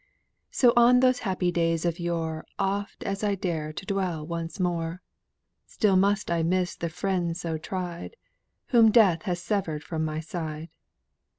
"So on those happy days of yore Oft as I dare to dwell once more, Still must I miss the friends so tried, Whom Death has severed from my side.